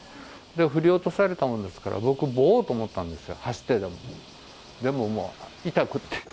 振り落とされたものですから、僕も追おうと思ったんですよ、走ってでも。